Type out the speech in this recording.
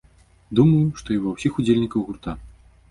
Думаю, што і ўва ўсіх удзельнікаў гурта.